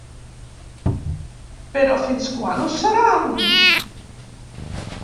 Però, fins quan ho seran?